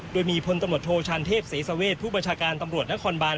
โดยมีพลตำรวจโทชานเทพเสสเวชผู้บัญชาการตำรวจนครบาน